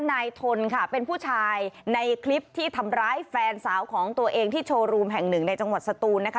ทนค่ะเป็นผู้ชายในคลิปที่ทำร้ายแฟนสาวของตัวเองที่โชว์รูมแห่งหนึ่งในจังหวัดสตูนนะคะ